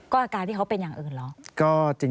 อาการที่เขาเป็นอย่างอื่นเหรอ